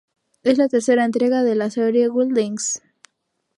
Es la tercera entrega de la serie Wild Things.